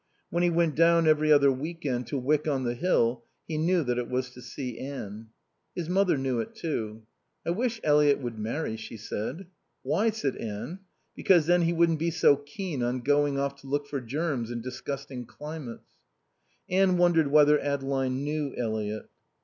When he went down every other week end to Wyck on the Hill he knew that it was to see Anne. His mother knew it too. "I wish Eliot would marry," she said. "Why?" said Anne. "Because then he wouldn't be so keen on going off to look for germs in disgusting climates." Anne wondered whether Adeline knew Eliot.